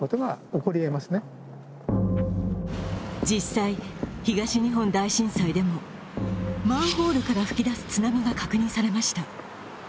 実際、東日本大震災でも、マンホールから噴き出す津波が確認されました。